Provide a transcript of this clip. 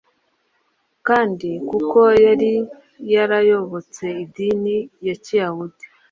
kandi kuko yari yarayobotse idini ya Kiyahudi,